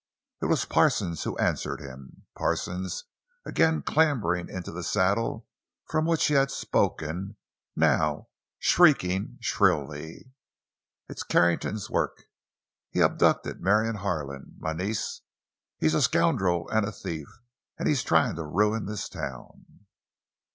It was Parsons who answered him. Parsons, again clambering into the saddle from which he had spoken, now shrieking shrilly: "It's Carrington's work! He abducted Marion Harlan, my niece. He's a scoundrel and a thief, and he is trying to ruin this town!"